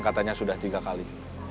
katanya sudah tiga kali